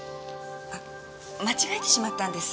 間違えてしまったんです